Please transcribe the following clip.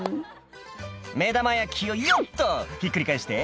「目玉焼きをよっとひっくり返して」